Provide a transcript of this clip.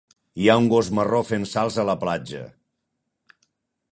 Hi ha un gos marró fent salts a la platja.